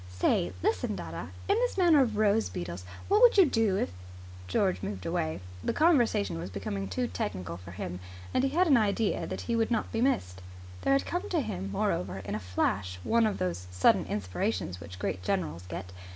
"Say, listen, dadda, in this matter of rose beetles, what would you do if " George moved away. The conversation was becoming too technical for him, and he had an idea that he would not be missed. There had come to him, moreover, in a flash one of those sudden inspirations which great generals get.